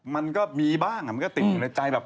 มันก็มีบ้างมันก็ติดอยู่ในใจแบบ